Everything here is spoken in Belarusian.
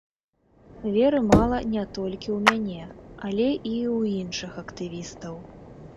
Веры мала не толькі ў мяне, але і ў іншых актывістаў.